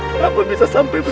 kenapa bisa sampai begini